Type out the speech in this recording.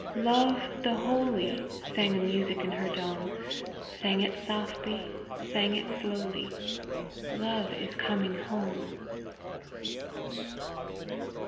"Love, the holy!" Sang a music in her dome, Sang it softly, sang it slowly, " Love is coming home!"